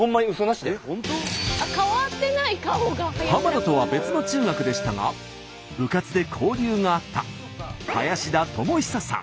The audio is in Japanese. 田とは別の中学でしたが部活で交流があった林田智永さん。